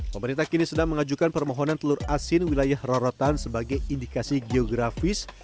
pemerintah kini sedang mengajukan permohonan telur asin wilayah rorotan sebagai indikasi geografis